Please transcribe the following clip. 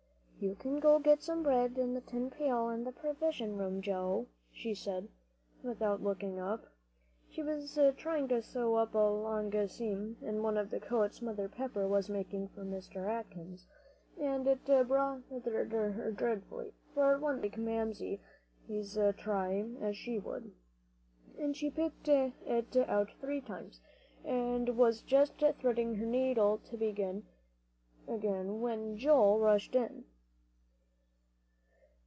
"You can get some bread in the tin pail in the provision room, Joe," she said, without looking up. She was trying to sew up a long seam in one of the coats Mother Pepper was making for Mr. Atkins, and it bothered her dreadfully, for it wouldn't look like Mamsie's, try as she would. And she had picked it out three times, and was just threading her needle to begin again, when Joel rushed in.